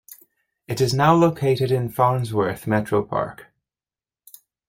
It is now located in Farnsworth Metropark.